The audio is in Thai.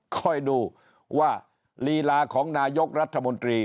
คอยดูว่าลีลาของนายกรัฐมนตรี